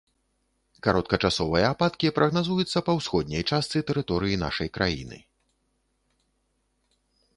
Кароткачасовыя ападкі прагназуюцца па ўсходняй частцы тэрыторыі нашай краіны.